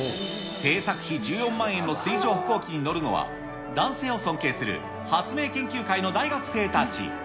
制作費１４万円の水上歩行機に乗るのは、男性を尊敬する発明研究会の大学生たち。